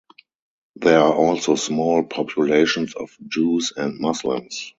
There are also small populations of Jews and Muslims.